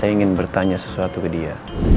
saya ingin bertanya sesuatu ke dia